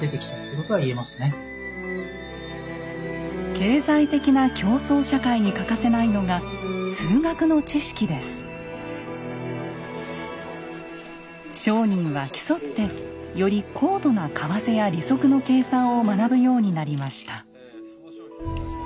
経済的な競争社会に欠かせないのが商人は競ってより高度な為替や利息の計算を学ぶようになりました。